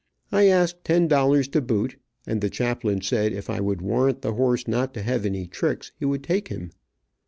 I asked ten dollars to boot, and the chaplain said if I would warrant the horse not to have any tricks he would take him.